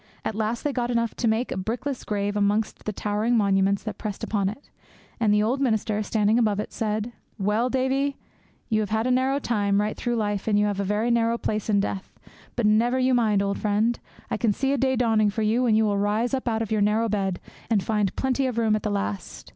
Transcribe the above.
At last they got enough to make a brickless grave amidst towering monuments that pressed upon it, and the old minister, standing above it, said, 'Well, Davie, vach, you have had a narrow time right through life, and you have a very narrow place in death; but never you mind, old friend, I can see a day dawning for you when you will rise out of your narrow bed, and find plenty of room at the last.